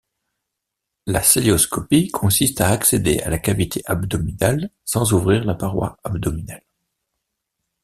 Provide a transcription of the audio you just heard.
La cœlioscopie consiste à accéder à la cavité abdominale sans ouvrir la paroi abdominale.